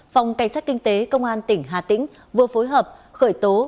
phòng cảnh sát kinh tế công an tỉnh hà tĩnh vừa phối hợp khởi tố